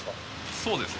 そうですね